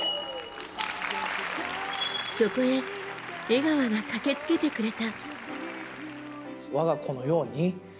そこへ、江川が駆けつけてくれた。